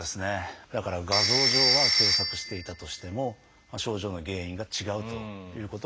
だから画像上は狭窄していたとしても症状の原因が違うということはよくあります。